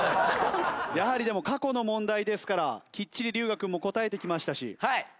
やはりでも過去の問題ですからきっちり龍我君も答えてきましたし。